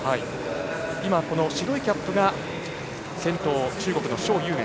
今、白いキャップが先頭中国の蒋裕燕。